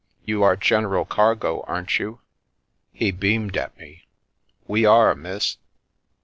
" You are general cargo, aren't you ?" He beamed at me. "We are, miss.